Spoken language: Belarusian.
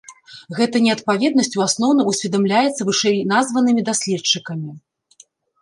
Гэта неадпаведнасць у асноўным усведамляецца вышэйназванымі даследчыкамі.